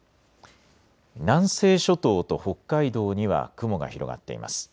南西諸島と北海道には雲が広がっています。